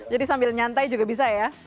jadi sambil nyantai juga bisa ya